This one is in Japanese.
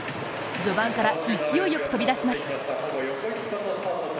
序盤から勢いよく飛び出します。